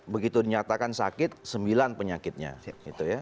begitu dinyatakan sakit sembilan penyakitnya gitu ya